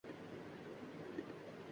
رہبرانقلاب نے فرمایا ایک زمانے میں